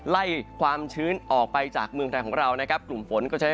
ไล่ความชื้นออกไปจากเมืองไทยของเรานะครับกลุ่มฝนก็จะ